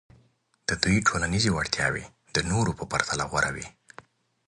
د دوی ټولنیزې وړتیاوې د نورو په پرتله غوره وې.